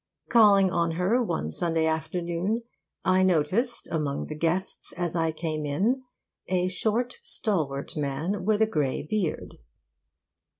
Calling on her one Sunday afternoon, I noticed among the guests, as I came in, a short, stalwart man with a grey beard.